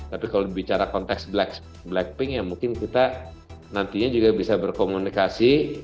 tapi kalau bicara konteks blackpink ya mungkin kita nantinya juga bisa berkomunikasi